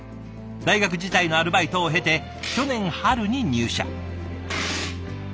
大学時代のアルバイトを経て去年春に入社。